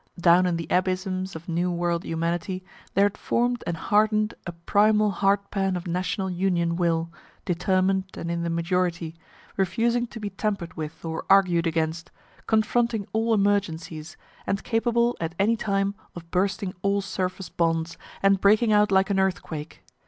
Down in the abysms of New World humanity there had form'd and harden'd a primal hardpan of national Union will, determin'd and in the majority, refusing to be tamper'd with or argued against, confronting all emergencies, and capable at any time of bursting all surface bonds, and breaking out like an earthquake.